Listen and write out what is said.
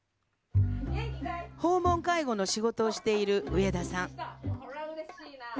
訪問介護の仕事をしている上田さん。